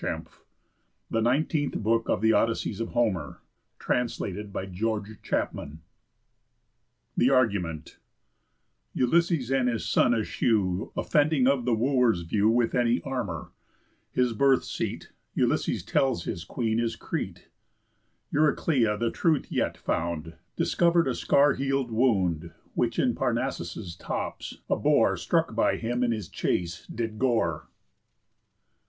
THE END OF THE EIGHTEENTH BOOK OF HOMER'S ODYSSEYS. THE NINETEENTH BOOK OF HOMER'S ODYSSEYS THE ARGUMENT Ulysses and his son eschew Offending of the Wooers' view With any armour. His birth's seat, Ulysses tells his Queen, is Crete, Euryclea the truth yet found, Discover'd by a scar heal'd wound, Which in Parnassus' tops a boar, Struck by him in his chace, did gore.